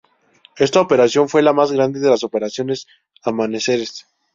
Esta operación fue la más grande de las operaciones Amaneceres.